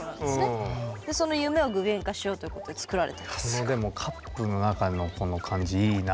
このでもカップの中のこの感じいいなあ。